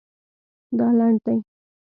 دا لنډ دی